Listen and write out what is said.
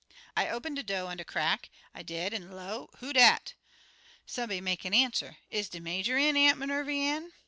"I open de do' on de crack, I did, an' low, 'Who dat?' Somebody make answer, 'Is de Major in, Aunt Minervy Ann?'